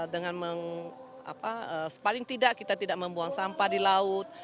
dengan paling tidak kita tidak membuang sampah di laut